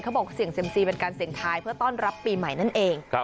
บอกเสี่ยงเซ็มซีเป็นการเสี่ยงทายเพื่อต้อนรับปีใหม่นั่นเอง